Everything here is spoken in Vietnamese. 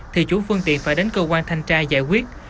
thì chủ phương tiện phải đến cơ quan thanh tra giải quyết